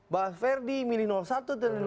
bahwa verdi milih satu dan dua